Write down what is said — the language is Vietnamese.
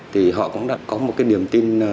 thì họ cũng đã có một cái điểm tin